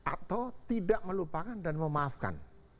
atau tidak melupakan dan memaafkan